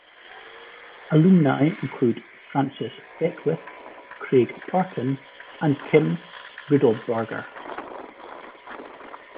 Alumni include Francis Beckwith, Craig Parton and Kim Riddlebarger.